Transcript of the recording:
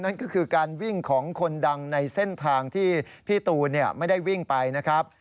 นั่นก็คือการวิ่งของคนดังในเส้นทางที่พี่ตูนไม่ได้วิ่งไปนะครับ